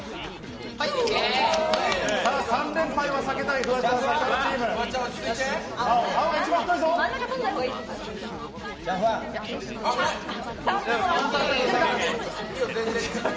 ３連敗は避けたい、フワちゃん・さっしーチーム。